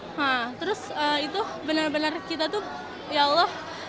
nah terus itu benar benar kita tuh ya allah